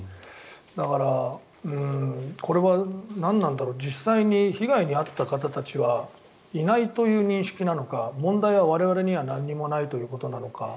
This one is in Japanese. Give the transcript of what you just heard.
だから、これは何なんだろう実際に被害に遭った方たちはいないという認識なのか問題は我々には何もないということなのか